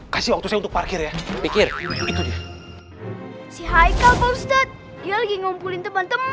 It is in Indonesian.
kasih waktu untuk parkir ya pikir itu dia si haikal pak ustaz dia lagi ngumpulin teman teman